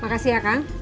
makasih ya kang